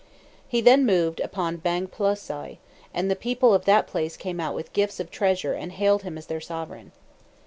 He then moved upon Bangplasoi, and the people of that place came out with gifts of treasure and hailed him as their sovereign.